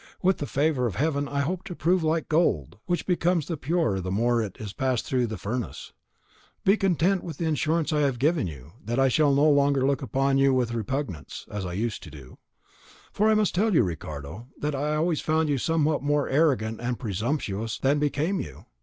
With the favour of heaven, I hope to prove like gold which becomes the purer the more it is passed through the furnace. Be content with the assurance I have given you, that I shall no longer look upon you with repugnance, as I used to do; for I must tell you, Ricardo, that I always found you somewhat more arrogant and presumptuous than became you.